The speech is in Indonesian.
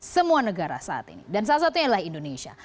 semua negara saat ini dan salah satunya adalah indonesia